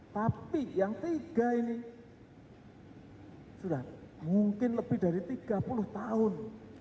tapi yang tiga ini sudah mungkin lebih dari tiga puluh tahun